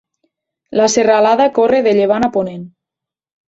La serralada corre de llevant a ponent.